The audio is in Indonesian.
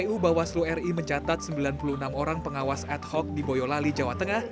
kpu bawaslu ri mencatat sembilan puluh enam orang pengawas ad hoc di boyolali jawa tengah